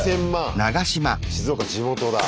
静岡地元だ。